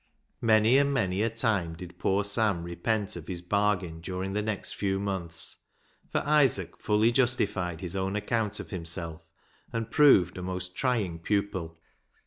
Many and many a time did poor Sam repent of his bargain during the next few months, for Isaac fully justified his own account of himself, and proved a most trying pupil.